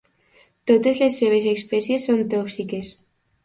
Totes les seves espècies són tòxiques.